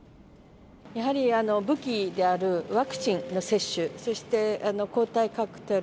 やはり武器であるワクチンの接種そして、抗体カクテル。